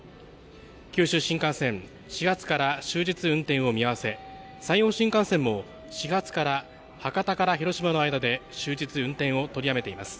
九州新幹線、始発から終日運転を見合わせ、山陽新幹線も始発から博多から広島の間で、終日運転を取りやめています。